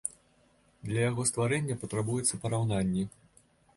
Для яго стварэння патрабуюцца параўнанні.